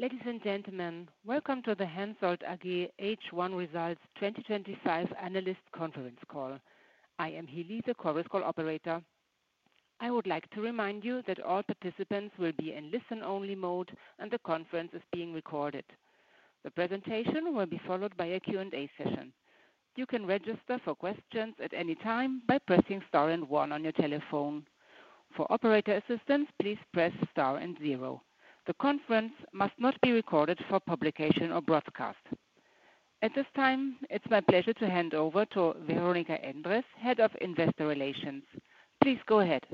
Ladies and gentlemen, welcome to the Hensoldt AG H1 Results 2025 Analyst Conference Call. I am Hildise, the correct call operator. I would like to remind you that all participants will be in listen-only mode and the conference is being recorded. The presentation will be followed by a Q&A session. You can register for questions at any time by pressing star and one on your telephone. For operator assistance, please press star and zero. The conference must not be recorded for publication or broadcast. At this time, it's my pleasure to hand over to Veronika Endres, Head of Investor Relations. Please go ahead.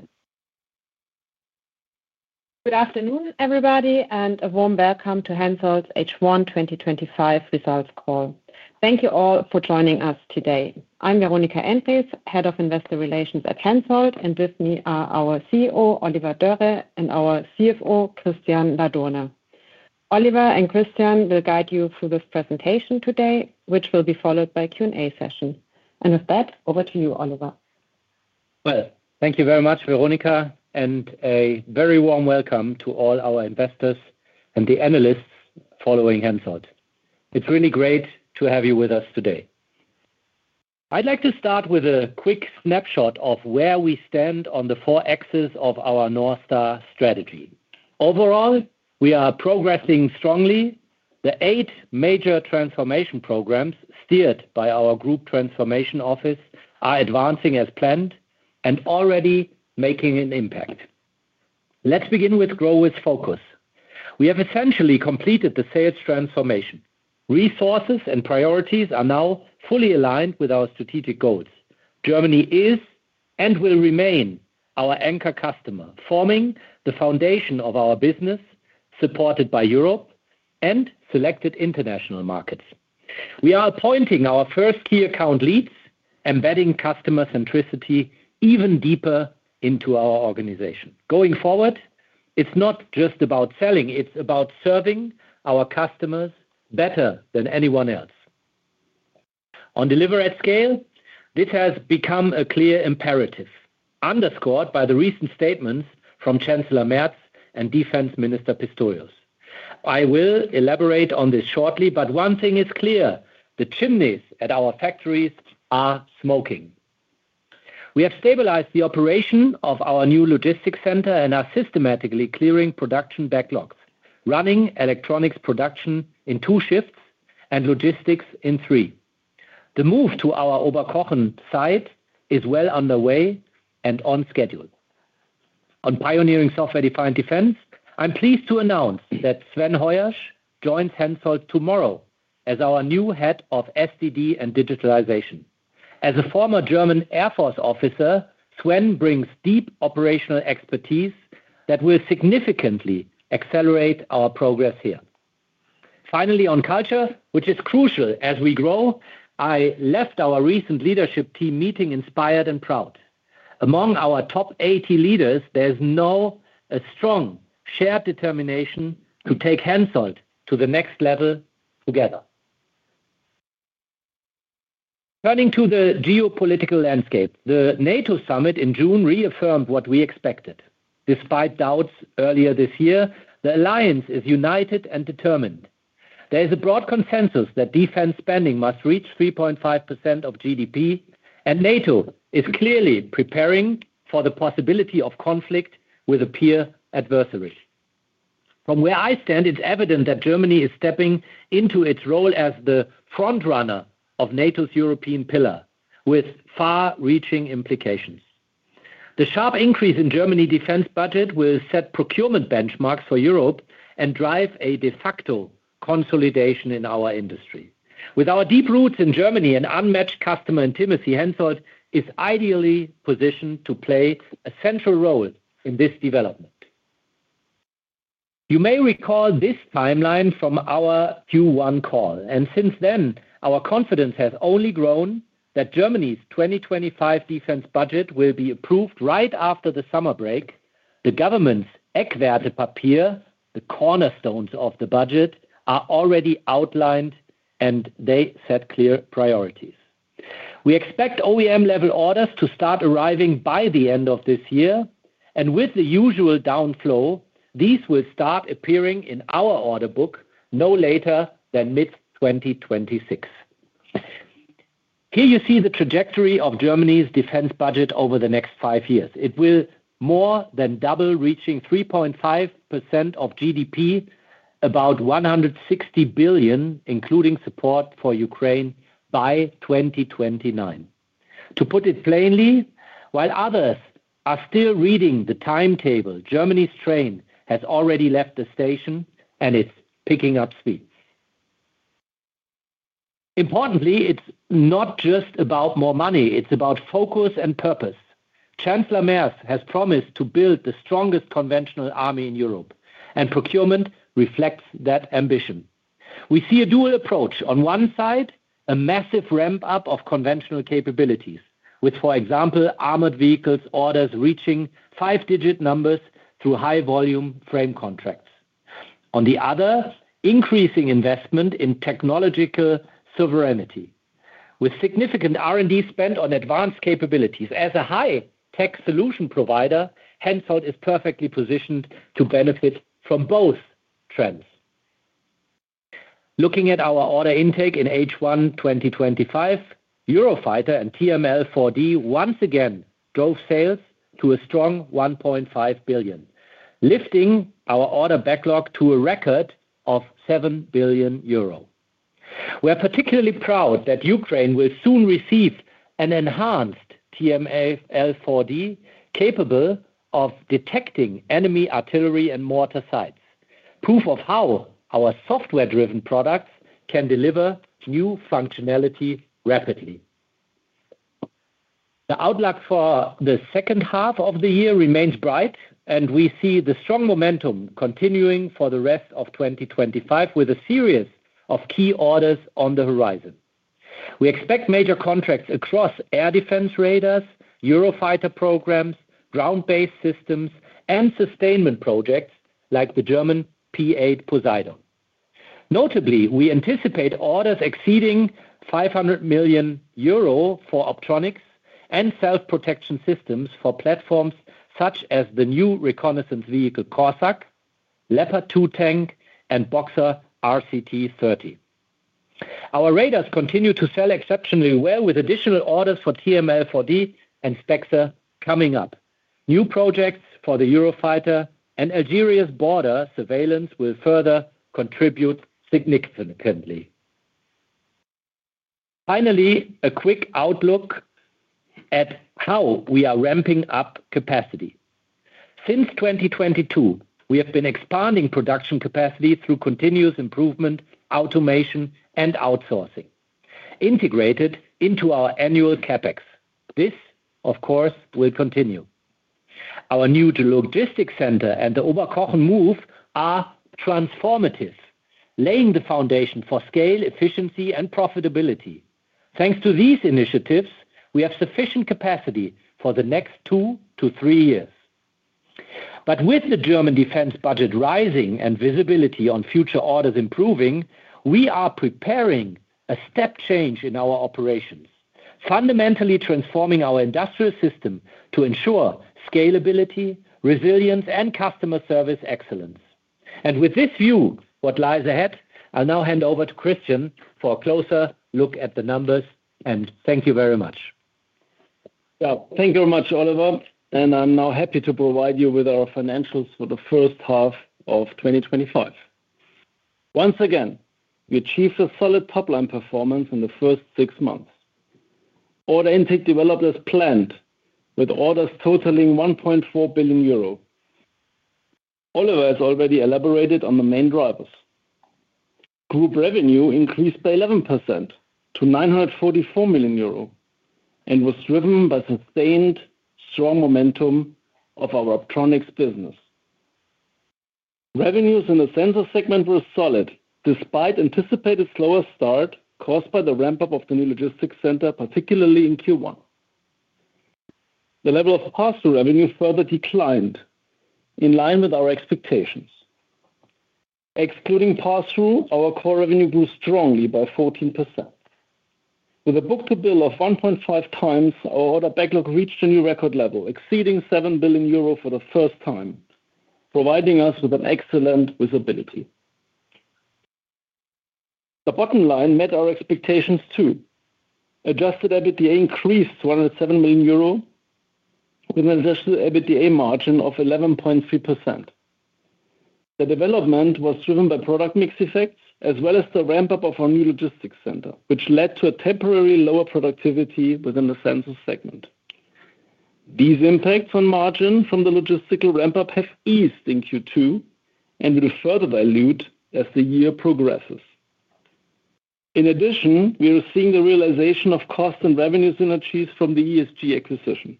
Good afternoon, everybody, and a warm welcome to Hensoldt H1 2025 Results Call. Thank you all for joining us today. I'm Veronika Endres, Head of Investor Relations at Hensoldt, and with me are our CEO, Oliver Dörre, and our CFO, Christian Ladurner. Oliver and Christian will guide you through this presentation today, which will be followed by a Q&A session. With that, over to you, Oliver. Thank you very much, Veronika, and a very warm welcome to all our investors and the analysts following Hensoldt. It's really great to have you with us today. I'd like to start with a quick snapshot of where we stand on the four axes of our Northstar strategy. Overall, we are progressing strongly. The eight major transformation programs steered by our Group Transformation Office are advancing as planned and already making an impact. Let's begin with growth focus. We have essentially completed the sales transformation. Resources and priorities are now fully aligned with our strategic goals. Germany is and will remain our anchor customer, forming the foundation of our business, supported by Europe and selected international markets. We are appointing our first key account leads, embedding customer centricity even deeper into our organization. Going forward, it's not just about selling; it's about serving our customers better than anyone else. On deliver at scale, this has become a clear imperative, underscored by the recent statements from Chancellor Merz and Defence Minister Pistorius. I will elaborate on this shortly, but one thing is clear: the chimneys at our factories are smoking. We have stabilized the operation of our new logistics center and are systematically clearing production backlogs, running electronics production in two shifts and logistics in three. The move to our Oberkochen site is well underway and on schedule. On pioneering software-defined defense, I'm pleased to announce that Sven Heursch joins Hensoldt tomorrow as our new Head of SDD and Digitalization. As a former German Air Force officer, Sven brings deep operational expertise that will significantly accelerate our progress here. Finally, on culture, which is crucial as we grow, I left our recent leadership team meeting inspired and proud. Among our top 80 leaders, there's now a strong shared determination to take Hensoldt to the next level together. Turning to the geopolitical landscape, the NATO summit in June reaffirmed what we expected. Despite doubts earlier this year, the alliance is united and determined. There is a broad consensus that defense spending must reach 3.5% of GDP, and NATO is clearly preparing for the possibility of conflict with a peer adversary. From where I stand, it's evident that Germany is stepping into its role as the front runner of NATO's European pillar, with far-reaching implications. The sharp increase in Germany's defense budget will set procurement benchmarks for Europe and drive a de facto consolidation in our industry. With our deep roots in Germany and unmatched customer intimacy, Hensoldt is ideally positioned to play a central role in this development. You may recall this timeline from our Q1 call, and since then, our confidence has only grown that Germany's 2025 defense budget will be approved right after the summer break. The government's Eckwertepapier, the cornerstones of the budget, are already outlined, and they set clear priorities. We expect OEM-level orders to start arriving by the end of this year, and with the usual downflow, these will start appearing in our order book no later than mid-2026. Here you see the trajectory of Germany's defense budget over the next five years. It will more than double, reaching 3.5% of GDP, about 160 billion, including support for Ukraine, by 2029. To put it plainly, while others are still reading the timetable, Germany's train has already left the station, and it's picking up speed. Importantly, it's not just about more money; it's about focus and purpose. Chancellor Merz has promised to build the strongest conventional army in Europe, and procurement reflects that ambition. We see a dual approach: on one side, a massive ramp-up of conventional capabilities, with, for example, armored vehicles orders reaching five-digit numbers through high-volume frame contracts. On the other, increasing investment in technological sovereignty, with significant R&D spent on advanced capabilities. As a high-tech solution provider, Hensoldt is perfectly positioned to benefit from both trends. Looking at our order intake in H1 2025, Eurofighter and TRML-4D once again drove sales to a strong 1.5 billion, lifting our order backlog to a record of 7 billion euro. We are particularly proud that Ukraine will soon receive an enhanced TRML-4D capable of detecting enemy artillery and mortar sites, proof of how our software-driven products can deliver new functionality rapidly. The outlook for the second half of the year remains bright, and we see the strong momentum continuing for the rest of 2025, with a series of key orders on the horizon. We expect major contracts across air defense radars, Eurofighter program, ground-based systems, and sustainment projects like the German P-8 Poseidon. Notably, we anticipate orders exceeding 500 million euro for optronics and self-protection systems for platforms such as the new reconnaissance vehicle CORSAC, Leopard 2 tank, and Boxer RCT-30. Our radars continue to sell exceptionally well, with additional orders for TRML-4D and Spectre coming up. New projects for the Eurofighter program and Algeria's border surveillance will further contribute significantly. Finally, a quick outlook at how we are ramping up capacity. Since 2022, we have been expanding production capacity through continuous improvement, automation, and outsourcing, integrated into our annual CapEx. This, of course, will continue. Our new logistics center and the Oberkochen move are transformative, laying the foundation for scale, efficiency, and profitability. Thanks to these initiatives, we have sufficient capacity for the next two to three years. With the German defense budget rising and visibility on future orders improving, we are preparing a step change in our operations, fundamentally transforming our industrial system to ensure scalability, resilience, and customer service excellence. With this view, what lies ahead, I'll now hand over to Christian for a closer look at the numbers, and thank you very much. Yeah, thank you very much, Oliver, and I'm now happy to provide you with our financials for the first half of 2025. Once again, we achieved a solid top-line performance in the first six months. Order intake developed as planned, with orders totaling 1.4 billion euro. Oliver has already elaborated on the main drivers. Group revenue increased by 11% to 944 million euro and was driven by sustained strong momentum of our Optronics business. Revenues in the Sensors segment were solid despite anticipated slower start caused by the ramp-up of the new logistics center, particularly in Q1. The level of pass-through revenue further declined in line with our expectations. Excluding pass-through, our core revenue grew strongly by 14%. With a book-to-bill of 1.5 times, our order backlog reached a new record level, exceeding 7 billion euro for the first time, providing us with excellent visibility. The bottom line met our expectations too. Adjusted EBITDA increased to 107 million euro, with an adjusted EBITDA margin of 11.3%. The development was driven by product mix effects as well as the ramp-up of our new logistics center, which led to a temporary lower productivity within the Sensors segment. These impacts on margin from the logistics ramp-up have eased in Q2 and will further dilute as the year progresses. In addition, we are seeing the realization of cost and revenue synergies from the ESG acquisition,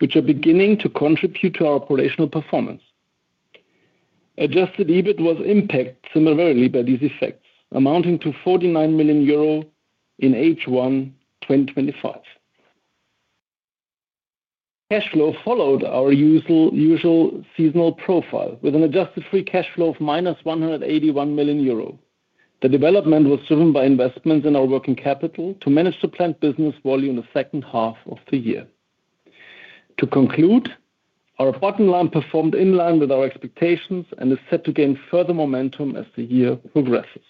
which are beginning to contribute to our operational performance. Adjusted EBIT was impacted similarly by these effects, amounting to 49 million euro in H1 2025. Cash flow followed our usual seasonal profile with an adjusted free cash flow of -181 million euro. The development was driven by investments in our working capital to manage the planned business volume in the second half of the year. To conclude, our bottom line performed in line with our expectations and is set to gain further momentum as the year progresses.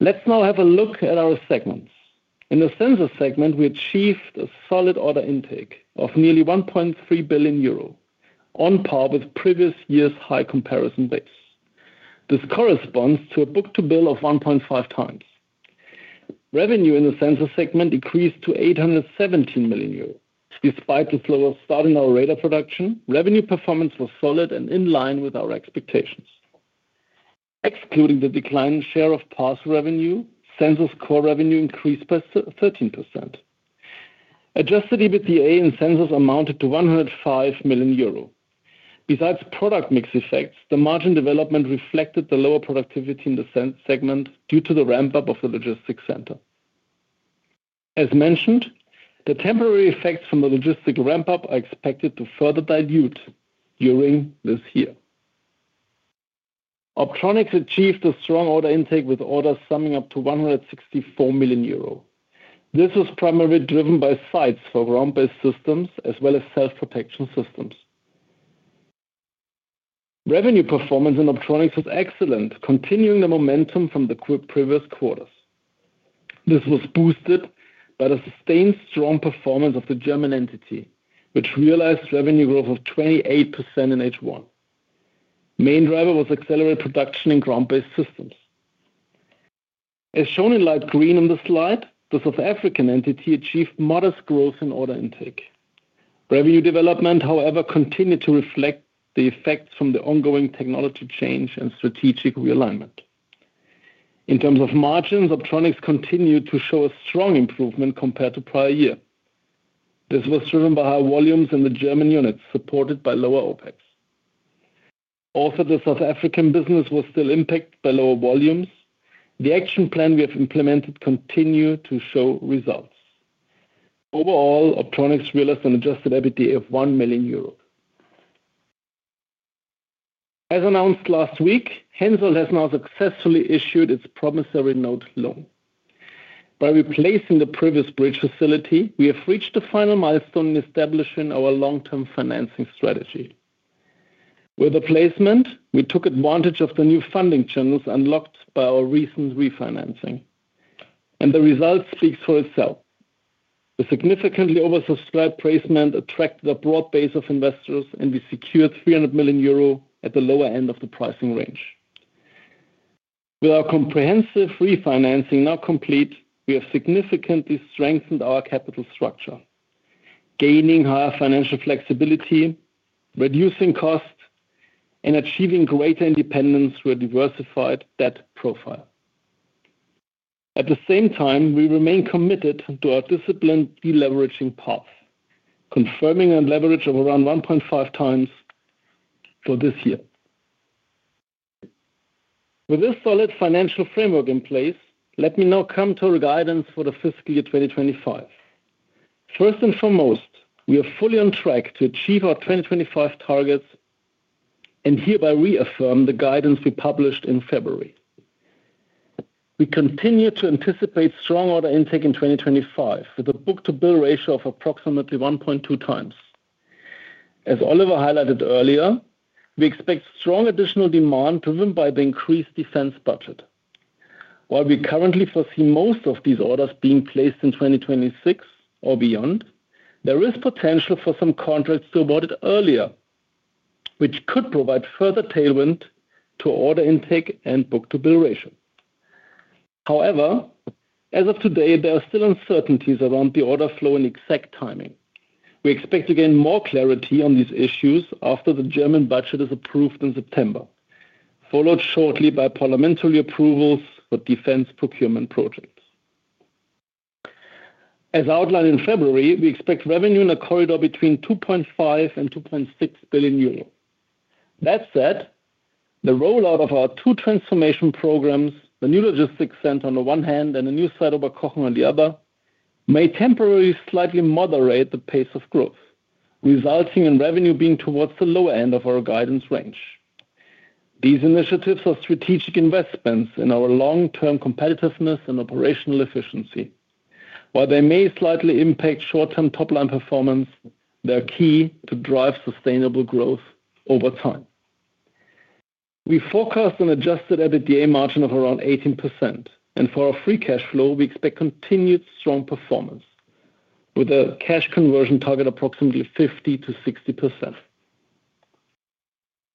Let's now have a look at our segments. In the Sensors segment, we achieved a solid order intake of nearly 1.3 billion euro, on par with previous year's high comparison base. This corresponds to a book-to-bill of 1.5 times. Revenue in the Sensors segment decreased to 817 million euros. Despite the slower start in our radar production, revenue performance was solid and in line with our expectations. Excluding the declining share of pass-through revenue, Sensors' core revenue increased by 13%. Adjusted EBITDA in Sensors amounted to 105 million euro. Besides product mix effects, the margin development reflected the lower productivity in the segment due to the ramp-up of the logistics center. As mentioned, the temporary effects from the logistics ramp-up are expected to further dilute during this year. Optronics achieved a strong order intake with orders summing up to 164 million euro. This was primarily driven by sites for ground-based systems as well as self-protection systems. Revenue performance in optronics was excellent, continuing the momentum from the previous quarters. This was boosted by the sustained strong performance of the German entity, which realized revenue growth of 28% in H1. The main driver was accelerated production in ground-based systems. As shown in light green on the slide, the South African entity achieved modest growth in order intake. Revenue development, however, continued to reflect the effects from the ongoing technology change and strategic realignment. In terms of margins, optronics continued to show a strong improvement compared to the prior year. This was driven by high volumes in the German units supported by lower OpEx. Although the South African business was still impacted by lower volumes, the action plan we have implemented continued to show results. Overall, optronics realized an adjusted EBITDA of 1 million euros. As announced last week, Hensoldt has now successfully issued its promissory note loan. By replacing the previous bridge facility, we have reached the final milestone in establishing our long-term financing strategy. With the placement, we took advantage of the new funding channels unlocked by our recent refinancing. The result speaks for itself. The significantly oversubscribed placement attracted a broad base of investors, and we secured 300 million euro at the lower end of the pricing range. With our comprehensive refinancing now complete, we have significantly strengthened our capital structure, gaining higher financial flexibility, reducing cost, and achieving greater independence through a diversified debt profile. At the same time, we remain committed to our disciplined deleveraging path, confirming a leverage of around 1.5 times for this year. With this solid financial framework in place, let me now come to our guidance for the fiscal year 2025. First and foremost, we are fully on track to achieve our 2025 targets and hereby reaffirm the guidance we published in February. We continue to anticipate strong order intake in 2025 with a book-to-bill ratio of approximately 1.2 times. As Oliver highlighted earlier, we expect strong additional demand driven by the increased defense budget. While we currently foresee most of these orders being placed in 2026 or beyond, there is potential for some contracts to be awarded earlier, which could provide further tailwind to order intake and book-to-bill ratio. However, as of today, there are still uncertainties around the order flow and exact timing. We expect to gain more clarity on these issues after the German budget is approved in September, followed shortly by parliamentary approvals for defense procurement projects. As outlined in February, we expect revenue in a corridor between 2.5 billion and 2.6 billion euros. That said, the rollout of our two transformation programs, the new logistics center on the one hand and the new site Oberkochen on the other, may temporarily slightly moderate the pace of growth, resulting in revenue being towards the lower end of our guidance range. These initiatives are strategic investments in our long-term competitiveness and operational efficiency. While they may slightly impact short-term top-line performance, they are key to drive sustainable growth over time. We forecast an adjusted EBITDA margin of around 18%, and for our free cash flow, we expect continued strong performance with a cash conversion target of approximately 50%-60%.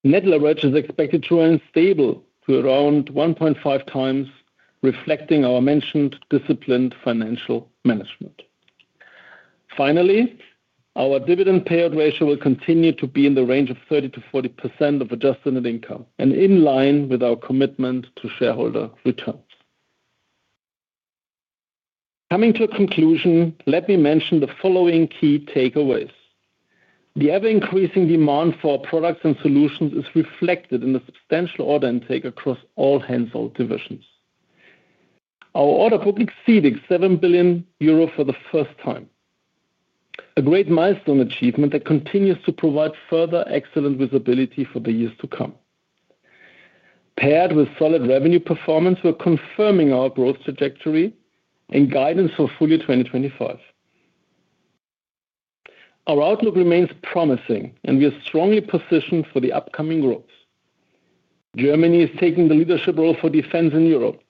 Net leverage is expected to remain stable to around 1.5 times, reflecting our mentioned disciplined financial management. Finally, our dividend payout ratio will continue to be in the range of 30%-40% of adjusted net income, and in line with our commitment to shareholder returns. Coming to a conclusion, let me mention the following key takeaways. The ever-increasing demand for products and solutions is reflected in the substantial order intake across all Hensoldt divisions. Our order book exceeded 7 billion euro for the first time, a great milestone achievement that continues to provide further excellent visibility for the years to come. Paired with solid revenue performance, we're confirming our growth trajectory and guidance for fully 2025. Our outlook remains promising, and we are strongly positioned for the upcoming growth. Germany is taking the leadership role for defense in Europe,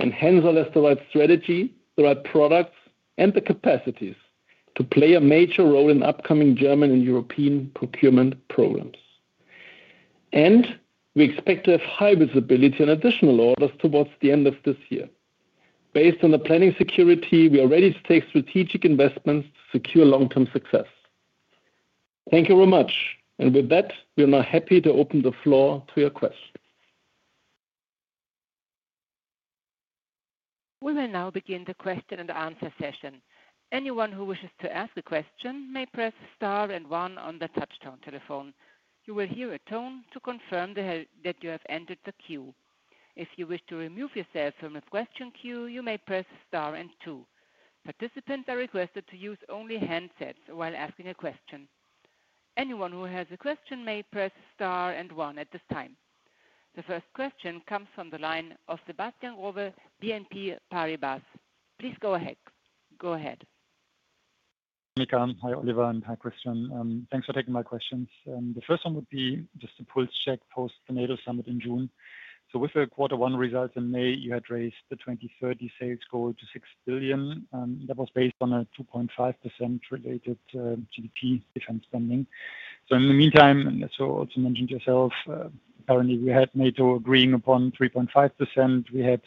and Hensoldt has the right strategy, the right products, and the capacities to play a major role in upcoming German and European procurement programs. We expect to have high visibility on additional orders towards the end of this year. Based on the planning security, we are ready to take strategic investments to secure long-term success. Thank you very much. With that, we are now happy to open the floor to your questions. We will now begin the question and answer session. Anyone who wishes to ask a question may press star and one on the touch-tone telephone. You will hear a tone to confirm that you have entered the queue. If you wish to remove yourself from the question queue, you may press star and two. Participants are requested to use only handsets while asking a question. Anyone who has a question may press star and one at this time. The first question comes from the line of Sebastian Growe, BNP Paribas. Please go ahead. Hi, Oliver and hi, Christian. Thanks for taking my questions. The first one would be just a pulse check post the NATO summit in June. With the quarter one results in May, you had raised the 2030 sales goal to 6 billion. That was based on a 2.5% related GDP defense spending. In the meantime, as you also mentioned yourself, apparently we had NATO agreeing upon 3.5%. We had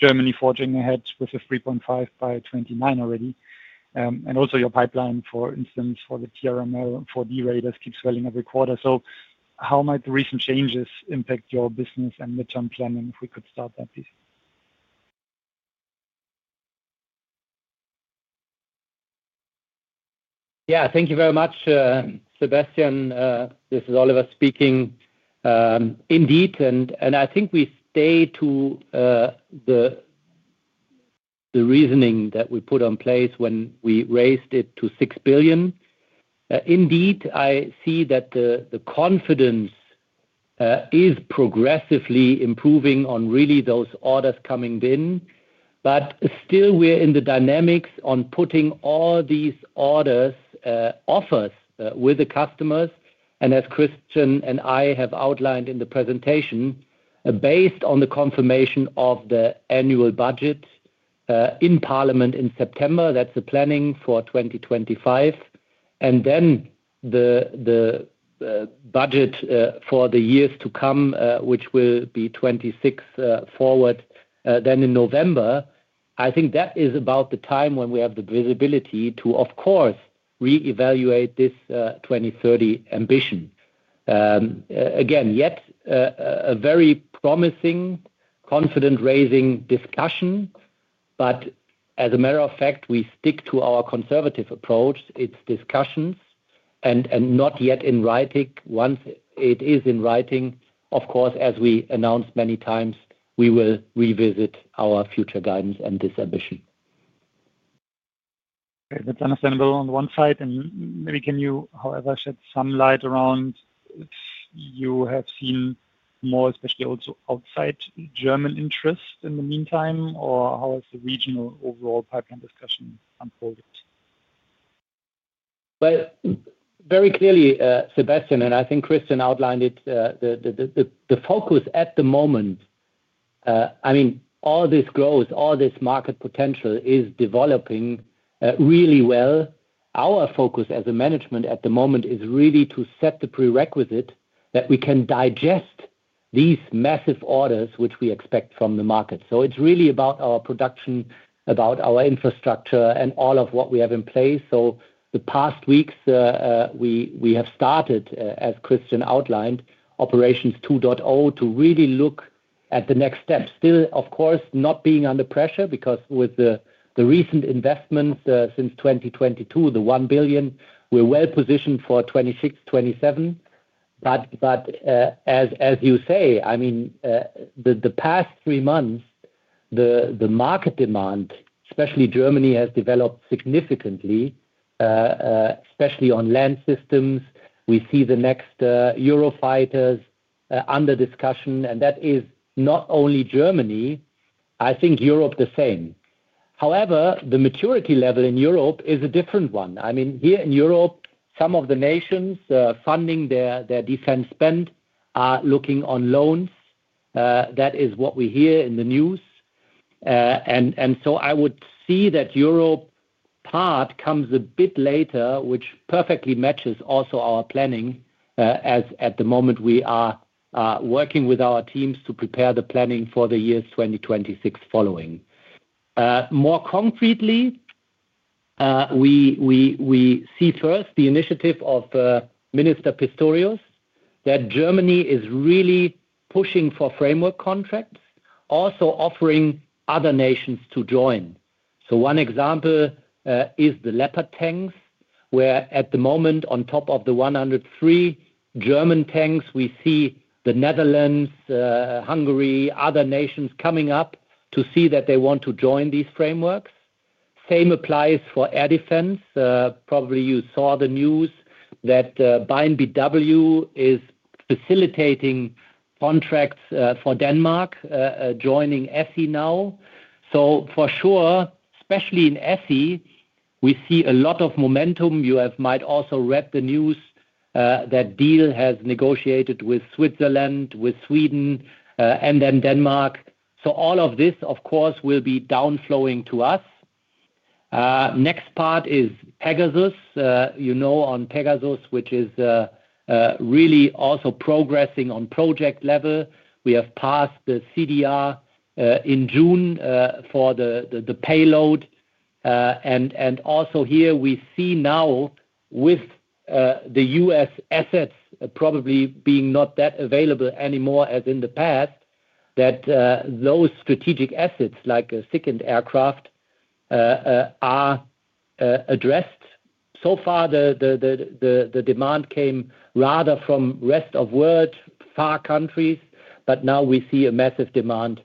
Germany forging ahead with a 3.5% by 2029 already. Also, your pipeline, for instance, for the TRML-4D radars keeps failing every quarter. How might the recent changes impact your business and midterm planning? If we could start that, please. Thank you very much, Sebastian. This is Oliver speaking. Indeed, I think we stay to the reasoning that we put in place when we raised it to 6 billion. I see that the confidence is progressively improving on really those orders coming in. Still, we're in the dynamics on putting all these orders offers with the customers. As Christian and I have outlined in the presentation, based on the confirmation of the annual budget in Parliament in September, that's the planning for 2025, and then the budget for the years to come, which will be 2026 forward, then in November. I think that is about the time when we have the visibility to, of course, reevaluate this 2030 ambition. Again, yet a very promising, confident raising discussion. As a matter of fact, we stick to our conservative approach. It's discussions and not yet in writing. Once it is in writing, of course, as we announced many times, we will revisit our future guidance and this ambition. That's understandable on the one side. Maybe can you, however, shed some light around if you have seen more, especially also outside German interest in the meantime? How has the regional overall pipeline discussion unfolded? Very clearly, Sebastian, and I think Christian outlined it. The focus at the moment, I mean, all this growth, all this market potential is developing really well. Our focus as a management at the moment is really to set the prerequisite that we can digest these massive orders which we expect from the market. It's really about our production, about our infrastructure, and all of what we have in place. The past weeks, we have started, as Christian outlined, Operations 2.0 to really look at the next steps. Still, of course, not being under pressure because with the recent investments since 2022, the 1 billion, we're well positioned for 2026, 2027. As you say, I mean, the past three months, the market demand, especially Germany, has developed significantly, especially on land systems. We see the next Eurofighter under discussion, and that is not only Germany. I think Europe the same. However, the maturity level in Europe is a different one. Here in Europe, some of the nations funding their defense spend are looking on loans. That is what we hear in the news. I would see that Europe part comes a bit later, which perfectly matches also our planning as at the moment we are working with our teams to prepare the planning for the year 2026 following. More concretely, we see first the initiative of Minister Pistorius that Germany is really pushing for framework contracts, also offering other nations to join. One example is the Leopard tanks, where at the moment, on top of the 103 German tanks, we see the Netherlands, Hungary, and other nations coming up to see that they want to join these frameworks. Same applies for air defense. Probably you saw the news that BAAINBw is facilitating contracts for Denmark, joining ESSI now. For sure, especially in ESSI, we see a lot of momentum. You might also read the news that DEAL has negotiated with Switzerland, with Sweden, and then Denmark. All of this, of course, will be downflowing to us. Next part is Pegasus. You know on Pegasus, which is really also progressing on project level. We have passed the CDR in June for the payload. Also here, we see now with the U.S. assets probably being not that available anymore as in the past, that those strategic assets like a second aircraft are addressed. So far, the demand came rather from rest of world, far countries, but now we see a massive demand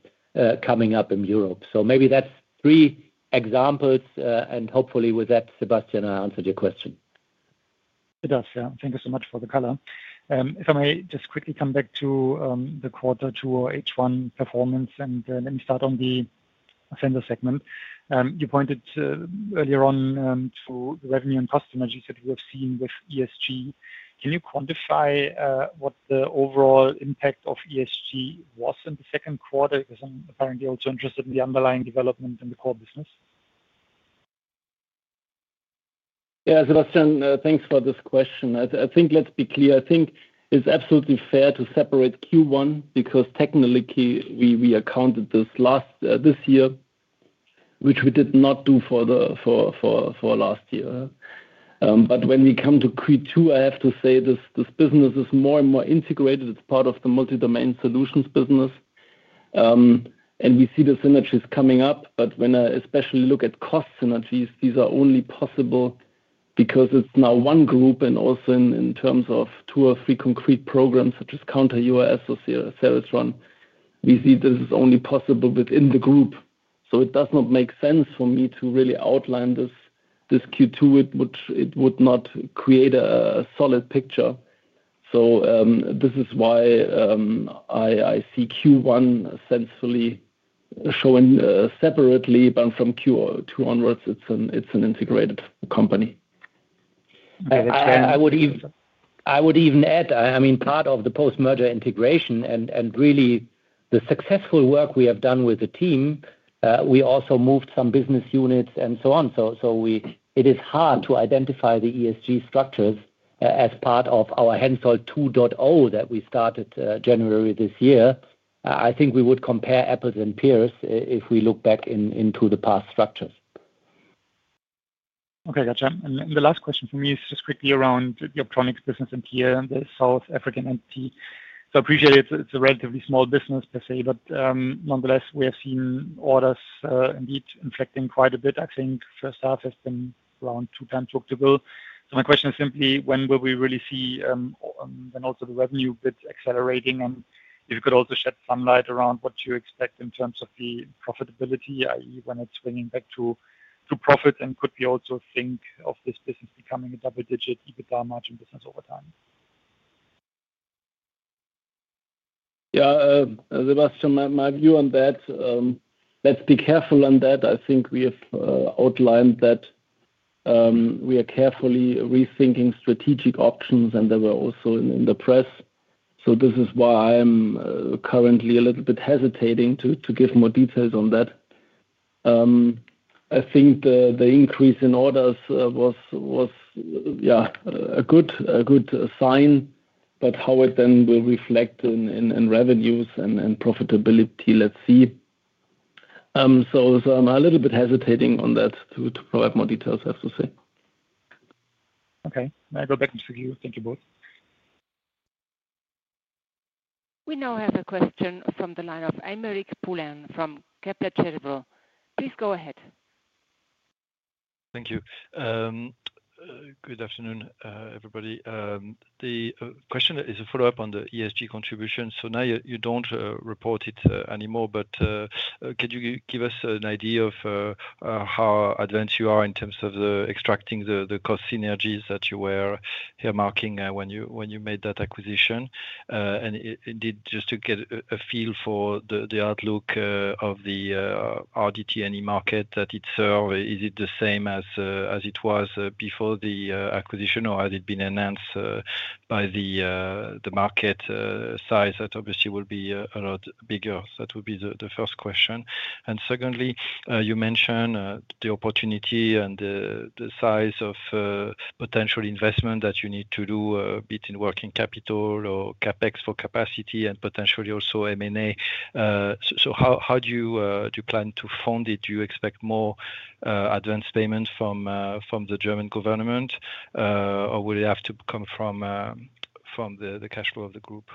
coming up in Europe. Maybe that's three examples. Hopefully with that, Sebastian, I answered your question. It does, yeah. Thank you so much for the color. If I may just quickly come back to the quarter two or H1 performance and let me start on the Sensors segment. You pointed earlier on to the revenue and customer that you have seen with ESG. Can you quantify what the overall impact of ESG was in the second quarter? Because I'm apparently also interested in the underlying development in the core business. Yeah, Sebastian, thanks for this question. I think let's be clear. I think it's absolutely fair to separate Q1 because technically we accounted this last this year, which we did not do for last year. When we come to Q2, I have to say this business is more and more integrated. It's part of the multi-domain solutions business, and we see the synergies coming up. When I especially look at cost synergies, these are only possible because it's now one group. Also, in terms of two or three concrete programs such as Counter-UAS or Service Run, we see this is only possible within the group. It does not make sense for me to really outline this Q2. It would not create a solid picture. This is why I see Q1 sensibly showing separately, but from Q2 onwards, it's an integrated company. I would even add, I mean, part of the post-merger integration and really the successful work we have done with the team, we also moved some business units and so on. It is hard to identify the ESG structures as part of our Hensoldt 2.0 that we started January this year. I think we would compare apples and pears if we look back into the past structures. Okay, gotcha. The last question for me is just quickly around the optronics business in here and the South African entity. I appreciate it's a relatively small business per se, but nonetheless, we have seen orders indeed inflecting quite a bit. I think first half has been around 2x book-to-bill. My question is simply, when will we really see, then also the revenue bit accelerating? If you could also shed some light around what you expect in terms of the profitability, i.e., when it's swinging back to profit and could we also think of this business becoming a double-digit EBITDA margin business over time? Yeah, Sebastian, my view on that. Let's be careful on that. I think we have outlined that we are carefully rethinking strategic options, and they were also in the press. This is why I'm currently a little bit hesitating to give more details on that. I think the increase in orders was a good sign, but how it then will reflect in revenues and profitability, let's see. I'm a little bit hesitating on that to provide more details, I have to say. Okay, may I go back into the queue? Thank you both. We now have a question from the line of Aymeric Poulain from Kepler Cheuvreux. Please go ahead. Thank you. Good afternoon, everybody. The question is a follow-up on the ESG contribution. Now you don't report it anymore, but could you give us an idea of how advanced you are in terms of extracting the cost synergies that you were earmarking when you made that acquisition? Just to get a feel for the outlook of the RDTNE market that it served, is it the same as it was before the acquisition, or has it been enhanced by the market size that obviously will be a lot bigger? That would be the first question. Secondly, you mentioned the opportunity and the size of potential investment that you need to do, be it in working capital or CapEx for capacity and potentially also M&A. How do you plan to fund it? Do you expect more advance payment from the German government, or will it have to come from the cash flow of the group?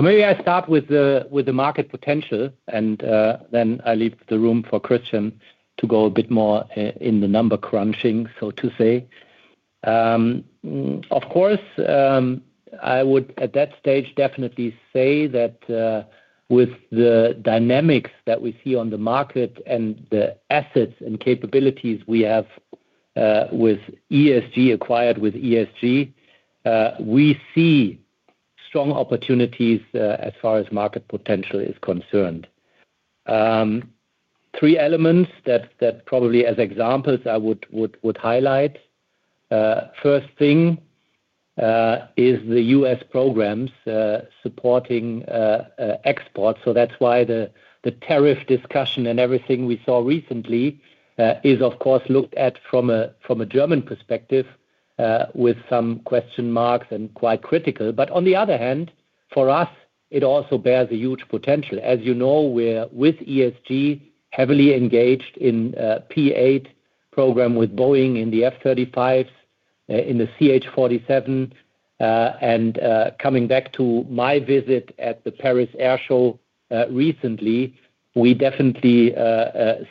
Maybe I start with the market potential, and then I leave the room for Christian to go a bit more in the number crunching, so to say. Of course, I would at that stage definitely say that with the dynamics that we see on the market and the assets and capabilities we have with ESG, acquired with ESG, we see strong opportunities as far as market potential is concerned. Three elements that probably as examples I would highlight. First thing is the U.S. programs supporting exports. That's why the tariff discussion and everything we saw recently is, of course, looked at from a German perspective with some question marks and quite critical. On the other hand, for us, it also bears a huge potential. As you know, we're with ESG heavily engaged in P8 program with Boeing, in the F-35s, in the CH-47. Coming back to my visit at the Paris Air Show recently, we definitely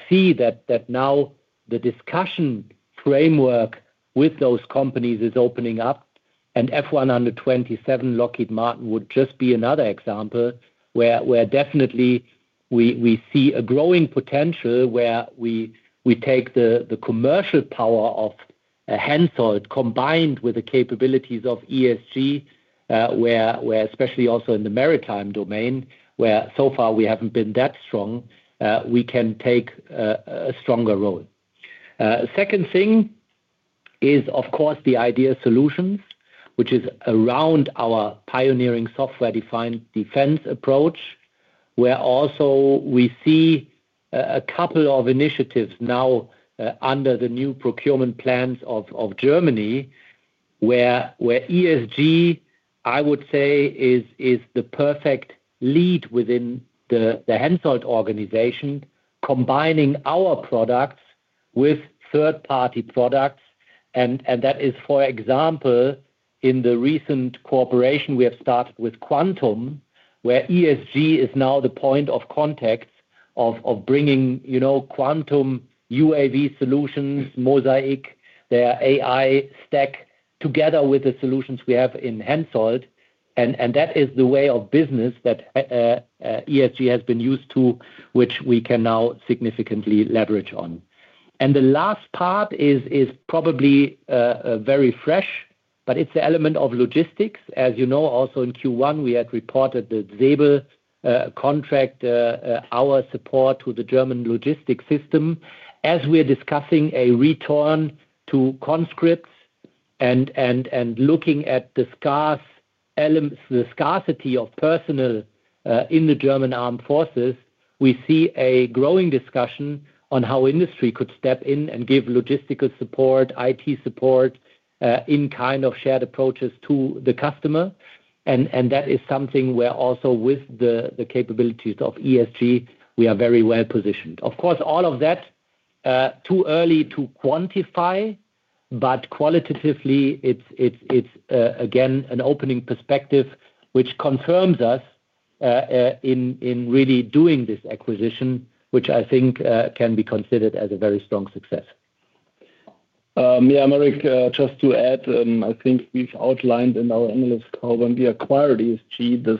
see that now the discussion framework with those companies is opening up. F-127 Lockheed Martin would just be another example where definitely we see a growing potential where we take the commercial power of Hensoldt combined with the capabilities of ESG, where especially also in the maritime domain, where so far we haven't been that strong, we can take a stronger role. Second thing is, of course, the idea solutions, which is around our pioneering software-defined defense approach, where also we see a couple of initiatives now under the new procurement plans of Germany, where ESG, I would say, is the perfect lead within the Hensoldt organization, combining our products with third-party products. That is, for example, in the recent cooperation we have started with Quantum, where ESG is now the point of contact of bringing Quantum UAV solutions, Mosaic, their AI Stack together with the solutions we have in Hensoldt. That is the way of business that ESG has been used to, which we can now significantly leverage on. The last part is probably very fresh, but it's the element of logistics. As you know, also in Q1, we had reported the Zebel contract, our support to the German logistics system. As we are discussing a return to conscripts and looking at the scarcity of personnel in the German armed forces, we see a growing discussion on how industry could step in and give logistical support, IT support, in kind of shared approaches to the customer. That is something where also with the capabilities of ESG, we are very well positioned. Of course, all of that is too early to quantify, but qualitatively, it's again an opening perspective, which confirms us in really doing this acquisition, which I think can be considered as a very strong success. Yeah, Aymeric, just to add, I think we've outlined in our analyst call when we acquired ESG, this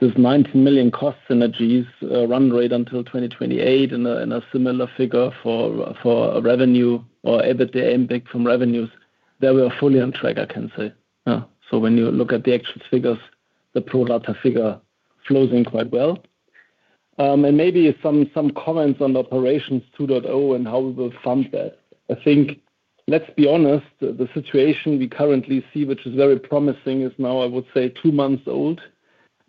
90 million cost synergies run rate until 2028 and a similar figure for revenue or everyday impact from revenues, they were fully on track, I can say. When you look at the actual figures, the pro rata figure flows in quite well. Maybe some comments on Operations 2.0 and how we will fund that. I think, let's be honest, the situation we currently see, which is very promising, is now, I would say, two months old.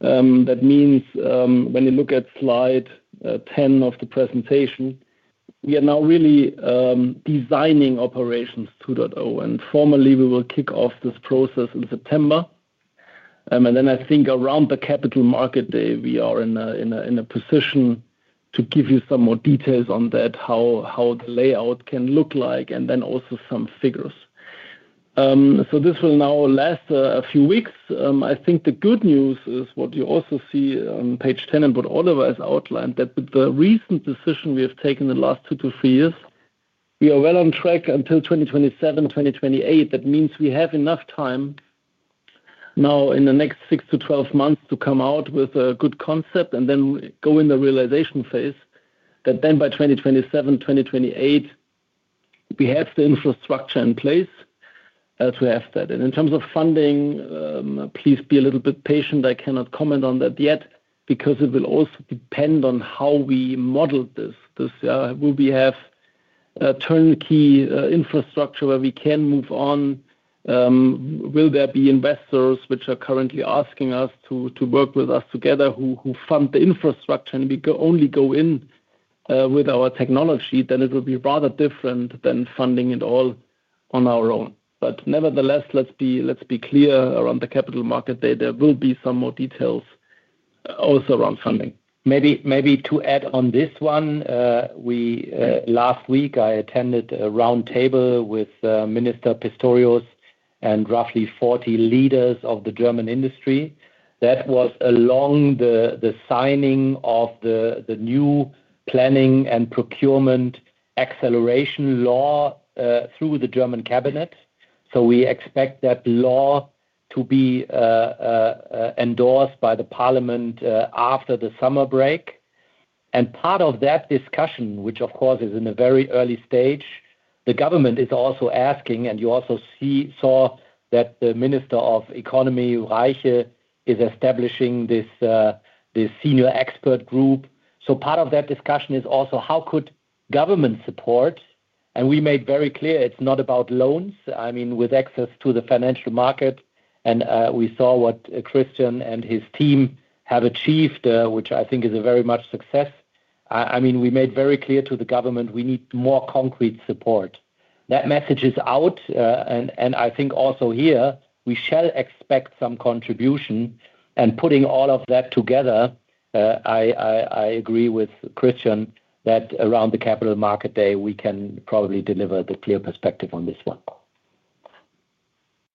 That means when you look at slide 10 of the presentation, we are now really designing Operations 2.0. Formally, we will kick off this process in September. I think around the capital market day, we are in a position to give you some more details on that, how the layout can look like, and then also some figures. This will now last a few weeks. The good news is what you also see on page 10 and what Oliver has outlined, that with the recent decision we have taken in the last two to three years, we are well on track until 2027, 2028. That means we have enough time now in the next 6 to 12 months to come out with a good concept and then go in the realization phase that then by 2027, 2028, we have the infrastructure in place. In terms of funding, please be a little bit patient. I cannot comment on that yet because it will also depend on how we model this. Will we have turnkey infrastructure where we can move on? Will there be investors which are currently asking us to work with us together, who fund the infrastructure, and we only go in with our technology? Then it will be rather different than funding it all on our own. Nevertheless, let's be clear around the capital market data, there will be some more details also around funding. Maybe to add on this one. Last week, I attended a round table with Minister Pistorius and roughly 40 leaders of the German industry. That was along the signing of the new planning and procurement acceleration law through the German cabinet. We expect that law to be endorsed by the parliament after the summer break. Part of that discussion, which of course is in a very early stage, the government is also asking, and you also saw that the Minister of Economy, Reiche, is establishing this Senior Expert Group. Part of that discussion is also how could government support. We made very clear it's not about loans. I mean, with access to the financial market, and we saw what Christian and his team have achieved, which I think is very much a success. We made very clear to the government we need more concrete support. That message is out. I think also here, we shall expect some contribution. Putting all of that together, I agree with Christian that around the Capital Market Day, we can probably deliver the clear perspective on this one.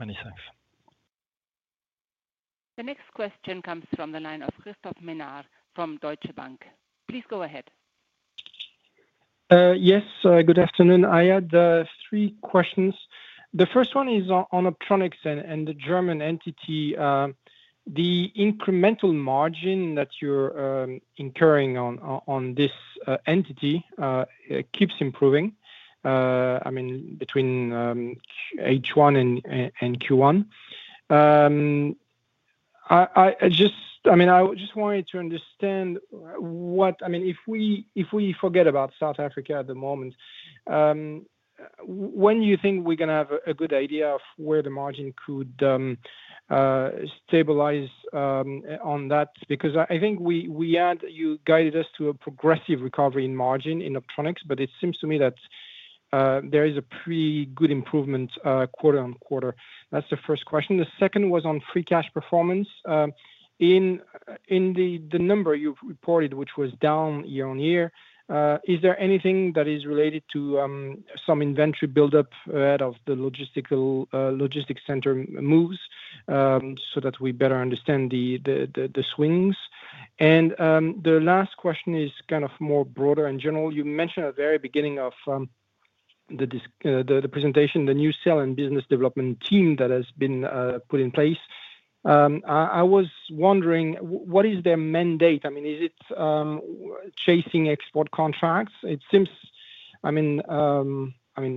Many thanks. The next question comes from the line of Christophe Menard from Deutsche Bank. Please go ahead. Yes, good afternoon. I had three questions. The first one is on optronics and the German entity. The incremental margin that you're incurring on this entity keeps improving. I mean, between H1 and Q1. I just wanted to understand what, I mean, if we forget about South Africa at the moment, when do you think we're going to have a good idea of where the margin could stabilize on that? Because I think you guided us to a progressive recovery in margin in optronics, but it seems to me that there is a pretty good improvement quarter on quarter. That's the first question. The second was on free cash performance. In the number you've reported, which was down year on year, is there anything that is related to some inventory buildup ahead of the logistics center moves, so that we better understand the swings? The last question is kind of more broader in general. You mentioned at the very beginning of the presentation, the new sale and business development team that has been put in place. I was wondering, what is their mandate? I mean, is it chasing export contracts? I mean,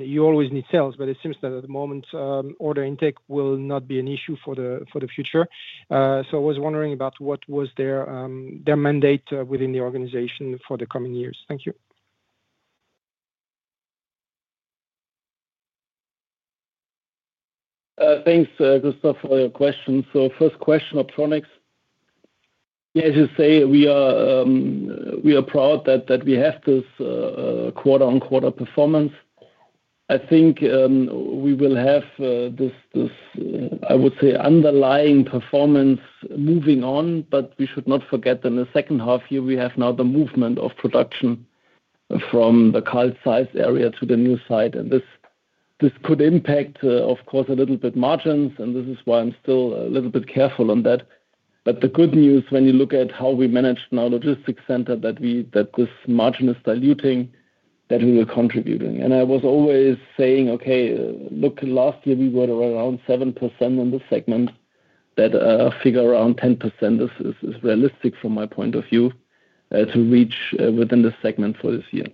you always need sales, but it seems that at the moment, order intake will not be an issue for the future. I was wondering about what was their mandate within the organization for the coming years. Thank you. Thanks, Christophe, for your question. First question, optronics. Yeah, as you say, we are proud that we have this quarter on quarter performance. I think we will have this, I would say, underlying performance moving on, but we should not forget that in the second half here, we have now the movement of production from the Kolb site area to the new site. This could impact, of course, a little bit margins, and this is why I'm still a little bit careful on that. The good news, when you look at how we manage now logistics center, is that this margin is diluting, that we were contributing. I was always saying, okay, look, last year we were around 7% in the segment. A figure around 10% is realistic from my point of view to reach within the segment for this year.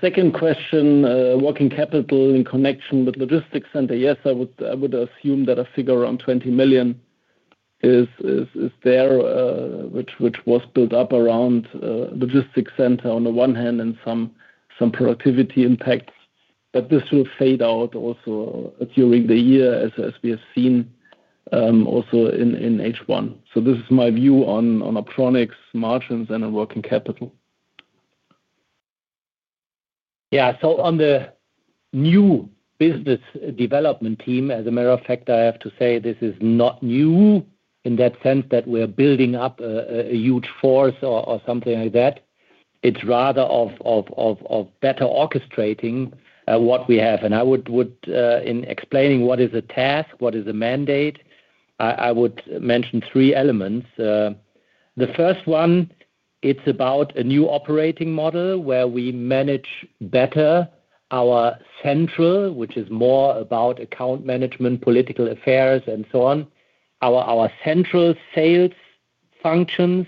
Second question, working capital in connection with logistics center. Yes, I would assume that a figure around 20 million is there, which was built up around logistics center on the one hand and some productivity impacts. This will fade out also during the year, as we have seen also in H1. This is my view on optronics, margins, and working capital. Yeah, so on the new business development team, as a matter of fact, I have to say this is not new in that sense that we're building up a huge force or something like that. It's rather better orchestrating what we have. In explaining what is a task, what is a mandate, I would mention three elements. The first one, it's about a new operating model where we manage better our central, which is more about account management, political affairs, and so on, our central sales functions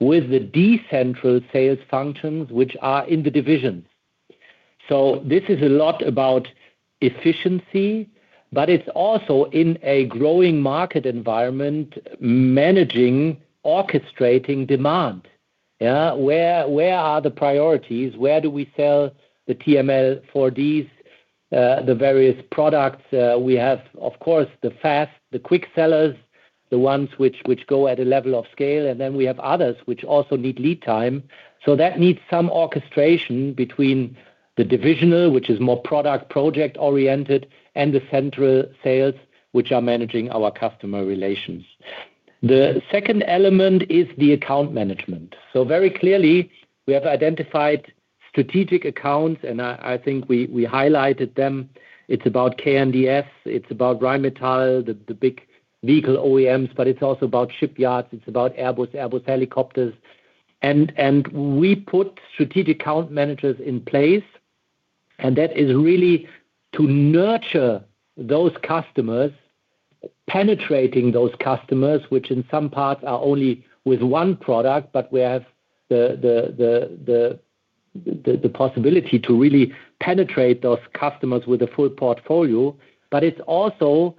with the decentral sales functions, which are in the divisions. This is a lot about efficiency, but it's also in a growing market environment, managing, orchestrating demand. Where are the priorities? Where do we sell the TRML-4D, the various products? We have, of course, the fast, the quick sellers, the ones which go at a level of scale, and then we have others which also need lead time. That needs some orchestration between the divisional, which is more product project oriented, and the central sales, which are managing our customer relations. The second element is the account management. Very clearly, we have identified strategic accounts, and I think we highlighted them. It's about KNDS, it's about Rheinmetall, the big vehicle OEMs, but it's also about shipyards, it's about Airbus, Airbus Helicopters. We put strategic account managers in place, and that is really to nurture those customers, penetrating those customers, which in some parts are only with one product, but we have the possibility to really penetrate those customers with a full portfolio. It's also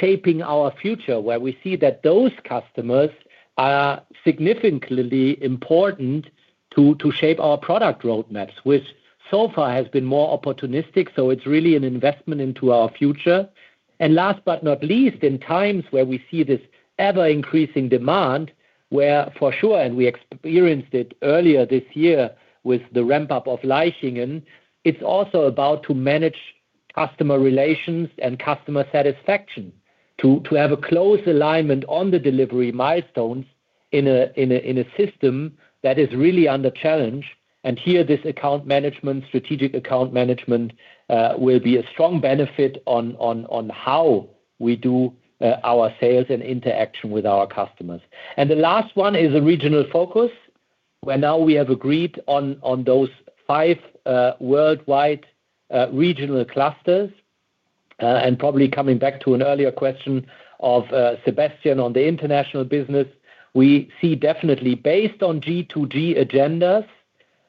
shaping our future, where we see that those customers are significantly important to shape our product roadmaps, which so far has been more opportunistic. It's really an investment into our future. Last but not least, in times where we see this ever-increasing demand, where for sure, and we experienced it earlier this year with the ramp-up of Leichingen, it's also about managing customer relations and customer satisfaction to have a close alignment on the delivery milestones in a system that is really under challenge. Here, this account management, strategic account management, will be a strong benefit on how we do our sales and interaction with our customers. The last one is a regional focus, where now we have agreed on those five worldwide regional clusters. Probably coming back to an earlier question of Sebastian on the international business, we see definitely, based on G2G agendas,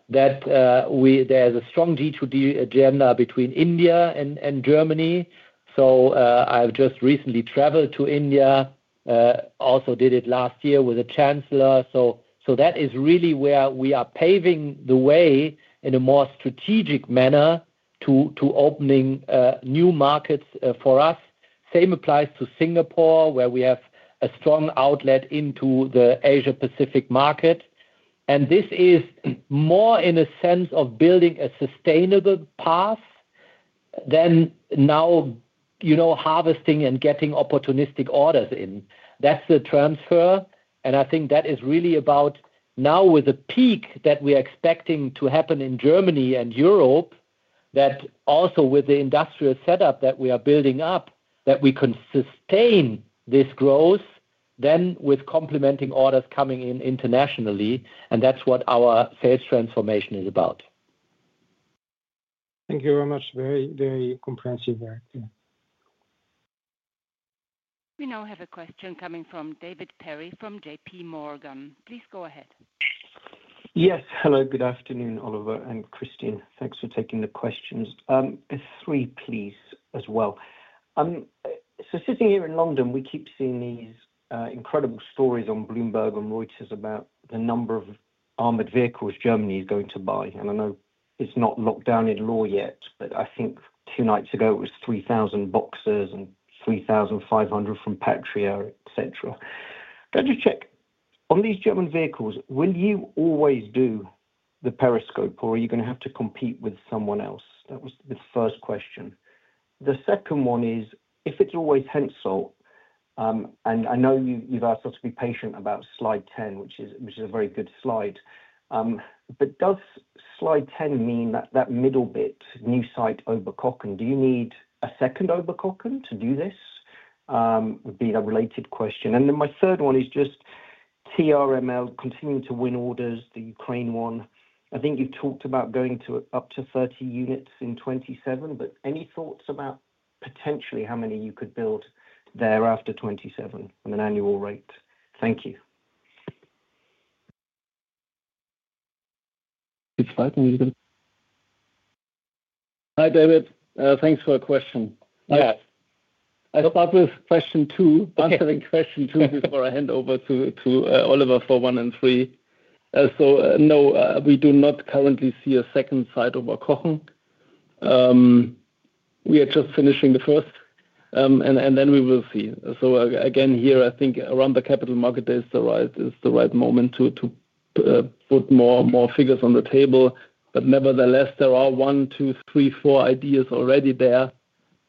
that there is a strong G2G agenda between India and Germany. I've just recently traveled to India, also did it last year with a chancellor. That is really where we are paving the way in a more strategic manner to opening new markets for us. The same applies to Singapore, where we have a strong outlet into the Asia-Pacific market. This is more in a sense of building a sustainable path than now harvesting and getting opportunistic orders in. That's the transfer. I think that is really about now with the peak that we are expecting to happen in Germany and Europe, that also with the industrial setup that we are building up, we can sustain this growth, then with complementing orders coming in internationally. That's what our sales transformation is about. Thank you very much. Very, very comprehensive work. We now have a question coming from David Perry from JP Morgan. Please go ahead. Yes. Hello, good afternoon, Oliver and Christian. Thanks for taking the questions. Three, please, as well. Sitting here in London, we keep seeing these incredible stories on Bloomberg and Reuters about the number of armored vehicles Germany is going to buy. I know it's not locked down in law yet, but I think two nights ago it was 3,000 Boxers and 3,500 from Patriot, etc. Can I just check? On these German vehicles, will you always do the periscope, or are you going to have to compete with someone else? That was the first question. The second one is, if it's always Hensoldt. I know you've asked us to be patient about slide 10, which is a very good slide. Does slide 10 mean that middle bit, new site Oberkochen? Do you need a second Oberkochen to do this? That would be a related question. My third one is just, TRML, continuing to win orders, the Ukraine one. I think you've talked about going up to 30 units in 2027, but any thoughts about potentially how many you could build there after 2027 on an annual rate? Thank you. Hi, David. Thanks for the question. I'll start with question two, answering question two before I hand over to Oliver for one and three. No, we do not currently see a second site in Oberkochen. We are just finishing the first, and then we will see. I think around the capital market, it's the right moment to put more figures on the table. Nevertheless, there are one, two, three, four ideas already there.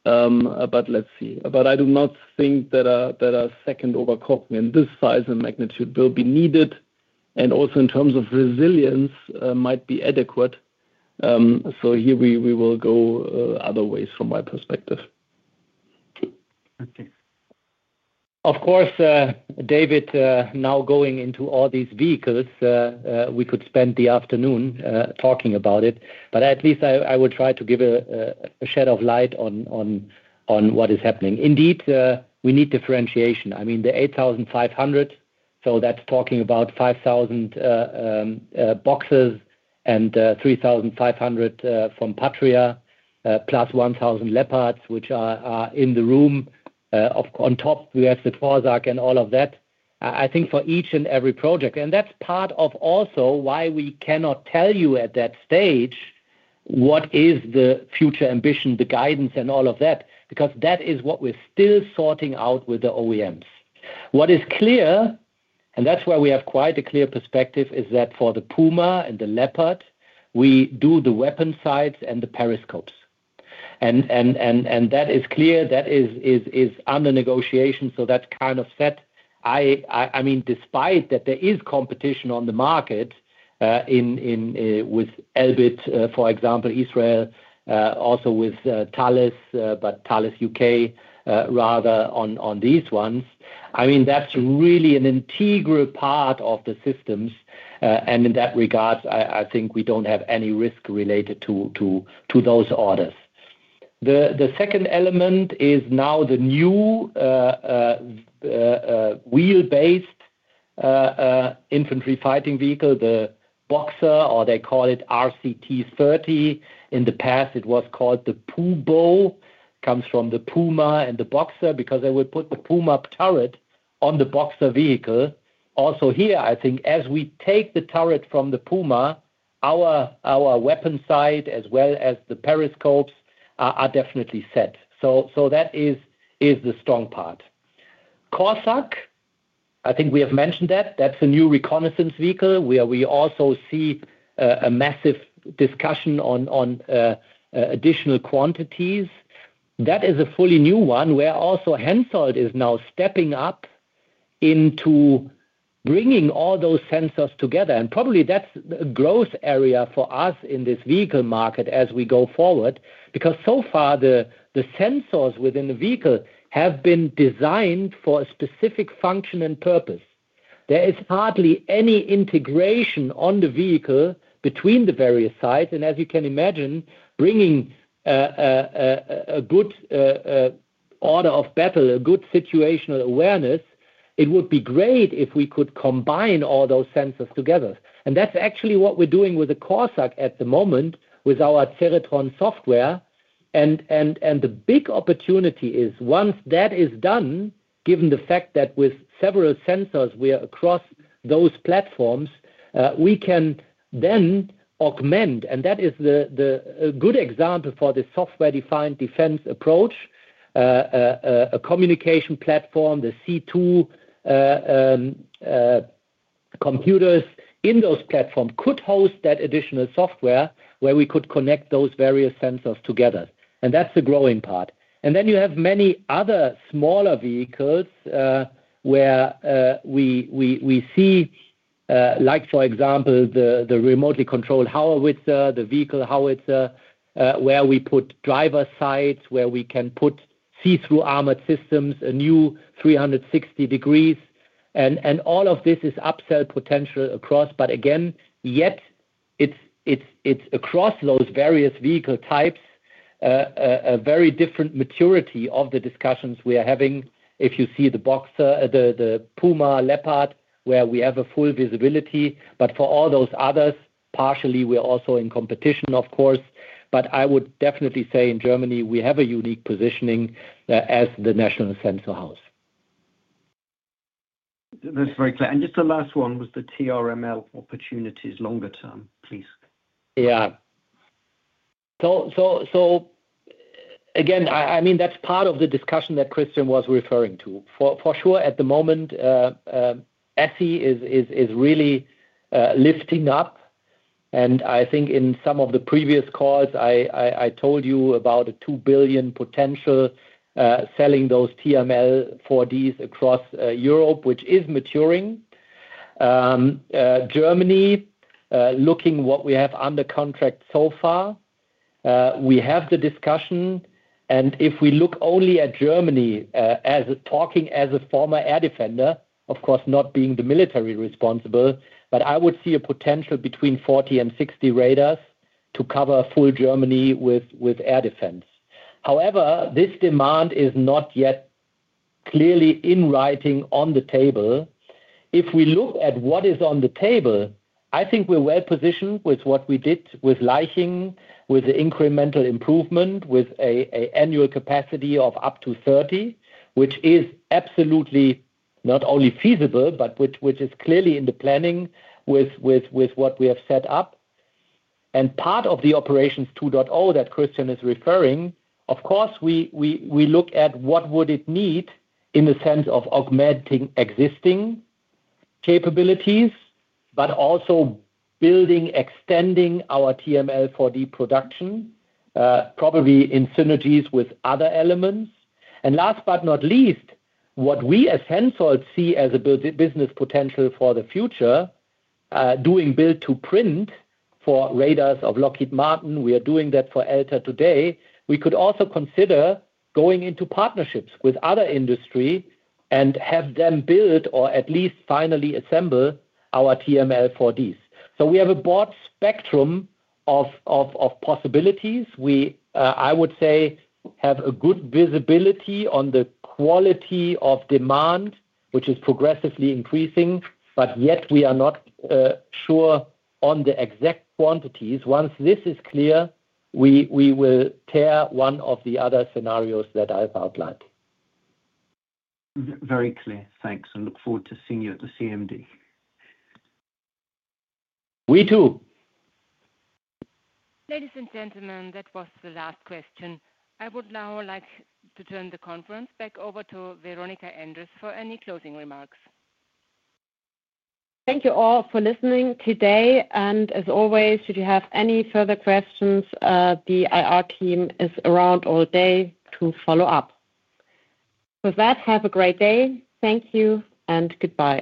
Let's see. I do not think that a second Oberkochen in this size and magnitude will be needed. Also, in terms of resilience, it might be adequate. Here we will go other ways from my perspective. Of course, David, now going into all these vehicles, we could spend the afternoon talking about it. At least I will try to give a shed of light on what is happening. Indeed, we need differentiation. I mean, the 8,500, so that's talking about 5,000 Boxers and 3,500 from Patriot, plus 1,000 Leopards, which are in the room. On top, we have the Torsak and all of that. I think for each and every project, and that's part of also why we cannot tell you at that stage what is the future ambition, the guidance, and all of that, because that is what we're still sorting out with the OEMs. What is clear, and that's where we have quite a clear perspective, is that for the Puma and the Leopard, we do the weapon sights and the periscopes. That is clear. That is under negotiation. That's kind of set. I mean, despite that there is competition on the market with Elbit, for example, Israel, also with Thales, but Thales U.K. rather on these ones. That's really an integral part of the systems. In that regard, I think we don't have any risk related to those orders. The second element is now the new wheel-based infantry fighting vehicle, the Boxer, or they call it RCT-30. In the past, it was called the PuBo. Comes from the Puma and the Boxer because they would put the Puma turret on the Boxer vehicle. Also here, I think as we take the turret from the Puma, our weapon sight as well as the periscopes are definitely set. That is the strong part. Torsak, I think we have mentioned that. That's a new reconnaissance vehicle where we also see a massive discussion on additional quantities. That is a fully new one where also Hensoldt is now stepping up into bringing all those sensors together. That's a growth area for us in this vehicle market as we go forward, because so far the sensors within the vehicle have been designed for a specific function and purpose. There is hardly any integration on the vehicle between the various sides. As you can imagine, bringing a good order of battle, a good situational awareness, it would be great if we could combine all those sensors together. That's actually what we're doing with the Torsak at the moment with our Ceratron software. The big opportunity is once that is done, given the fact that with several sensors we are across those platforms, we can then augment. That is the good example for the software-defined defense approach. A communication platform, the C2 computers in those platforms could host that additional software where we could connect those various sensors together. That's the growing part. You have many other smaller vehicles where we see, for example, the remotely controlled howitzer, the vehicle howitzer, where we put driver sights, where we can put see-through armored systems, a new 360°. All of this is upsell potential across. Yet, it's across those various vehicle types. A very different maturity of the discussions we are having. If you see the Puma, Leopard, where we have a full visibility. For all those others, partially we're also in competition, of course. I would definitely say in Germany, we have a unique positioning as the national sensor house. That's very clear. Just the last one was the TRML-4D radar opportunities longer term, please. Yeah. Again, I mean, that's part of the discussion that Christian was referring to. For sure, at the moment, ESSI is really lifting up. I think in some of the previous calls, I told you about a $2 billion potential selling those TRML-4Ds across Europe, which is maturing. Germany, looking at what we have under contract so far, we have the discussion. If we look only at Germany, as talking as a former air defender, of course, not being the military responsible, but I would see a potential between 40 and 60 radars to cover full Germany with air defense. However, this demand is not yet clearly in writing on the table. If we look at what is on the table, I think we're well positioned with what we did with Leiching, with the incremental improvement, with an annual capacity of up to 30, which is absolutely not only feasible, but which is clearly in the planning with what we have set up. Part of the Operations 2.0 that Christian is referring, of course, we look at what would it need in the sense of augmenting existing capabilities, but also building, extending our TRML-4D production, probably in synergies with other elements. Last but not least, what we as Hensoldt see as a business potential for the future, doing build-to-print for radars of Lockheed Martin, we are doing that for Elter today. We could also consider going into partnerships with other industry and have them build or at least finally assemble our TRML-4Ds. We have a broad spectrum of possibilities. I would say have a good visibility on the quality of demand, which is progressively increasing, but yet we are not sure on the exact quantities. Once this is clear, we will tear one of the other scenarios that I've outlined. Very clear. Thanks. I look forward to seeing you at the CMD. We too. Ladies and gentlemen, that was the last question. I would now like to turn the conference back over to Veronika Endres for any closing remarks. Thank you all for listening today. As always, should you have any further questions, the IR team is around all day to follow up. With that, have a great day. Thank you and goodbye.